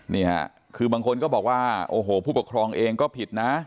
นี่ค่ะคือบางคนก็บอกว่าโอ้โหผู้ปกครองเองก็ผิดนะ